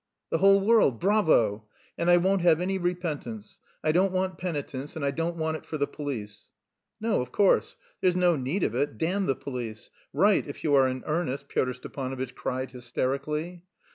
"The whole world! Bravo! And I won't have any repentance. I don't want penitence and I don't want it for the police!" "No, of course, there's no need of it, damn the police! Write, if you are in earnest!" Pyotr Stepanovitch cried hysterically.